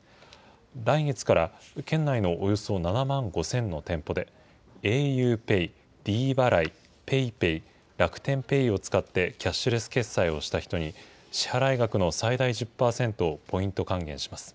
来月から県内のおよそ７万５０００の店舗で、ａｕＰＡＹ、ｄ払い、ＰａｙＰａｙ、楽天ペイを使ってキャッシュレス決済をした人に支払い額の最大１０％をポイント還元します。